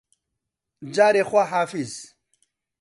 جارێ خواحافیز